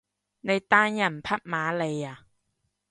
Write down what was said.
你單人匹馬嚟呀？